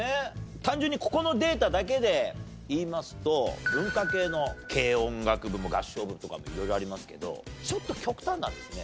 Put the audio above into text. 単純にここのデータだけで言いますと文化系の軽音楽部も合唱部とかも色々ありますけどちょっと極端なんですね。